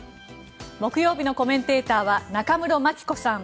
木曜日のコメンテーターは中室牧子さん